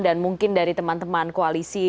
dan mungkin dari teman teman koalisi